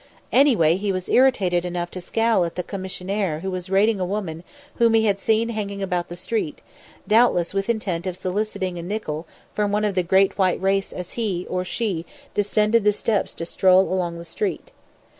Anyway, he was irritated enough to scowl at the commissionaire who was rating a woman whom he had seen hanging about the street, doubtless with intent of soliciting a nickel coin from one of the great white race as he or she descended the steps to stroll along the street.